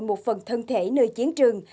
một phần thân thể nơi chiến trường